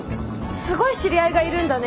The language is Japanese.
すごい知り合いがいるんだね。